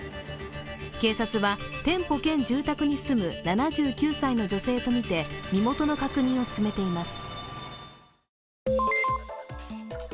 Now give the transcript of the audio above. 警察は、店舗兼住宅に住む７９歳の女性とみて身元の確認を進めています。